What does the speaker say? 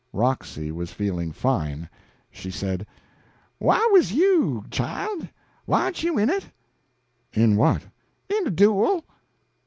Roxy was feeling fine. She said: "Whah was you, child? Warn't you in it?" "In what?" "In de duel."